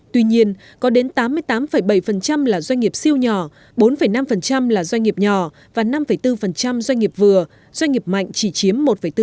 tuy nhiên có đến tám mươi tám bảy là doanh nghiệp siêu nhỏ bốn năm là doanh nghiệp nhỏ và năm bốn doanh nghiệp vừa doanh nghiệp mạnh chỉ chiếm một bốn